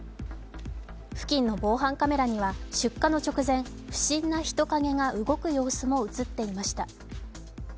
付近の防犯カメラには出火の直前、不審な人影が動く様子も映っていました。